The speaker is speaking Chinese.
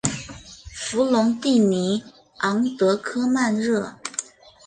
弗龙蒂尼昂德科曼热。